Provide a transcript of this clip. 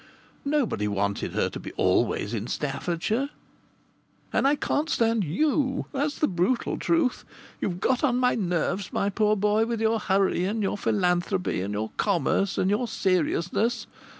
Nobody wanted her to be always in Staffordshire! " and I can't stand you. That's the brutal truth. You've got on my nerves, my poor boy, with your hurry, and your philanthropy, and your commerce, and your seriousness.